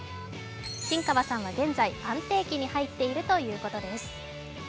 新川さんは現在、安定期に入っているということです。